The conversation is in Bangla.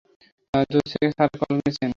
জোসে স্যার কল করছেন।